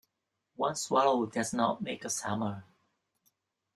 One swallow does not make a summer.